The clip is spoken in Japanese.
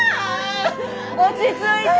落ち着いて！